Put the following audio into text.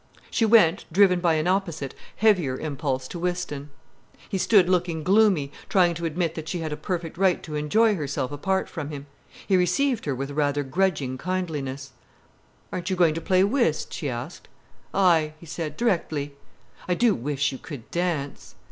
She went, driven by an opposite, heavier impulse, to Whiston. He stood looking gloomy, trying to admit that she had a perfect right to enjoy herself apart from him. He received her with rather grudging kindliness. "Aren't you going to play whist?" she asked. "Aye," he said. "Directly." "I do wish you could dance."